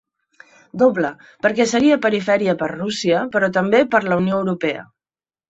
Doble, perquè seria perifèria per Rússia, però també per la Unió Europea.